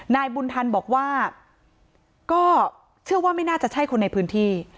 นายบุญธรรมบอกว่าก็เชื่อว่าไม่น่าจะใช่คนในพื้นที่